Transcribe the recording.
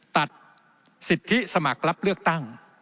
ตัดสิทธิสมัครรับเลือกตั้ง